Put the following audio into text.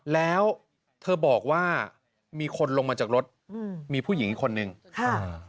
แล้วเธอบอกว่ามีคนลงมาจากรถอืมมีผู้หญิงอีกคนนึงค่ะอ่า